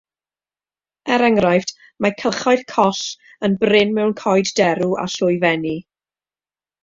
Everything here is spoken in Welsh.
Er enghraifft, mae cylchoedd coll yn brin mewn coed derw a llwyfenni.